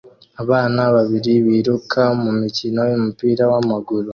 Abana babiri biruka mumikino yumupira wamaguru